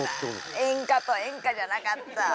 演歌と演歌じゃなかった。